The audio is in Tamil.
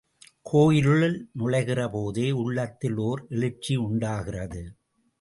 கோயிலுள் நுழைகிற போதே, உள்ளத்தில் ஓர் எழுச்சி உண்டாகிறது.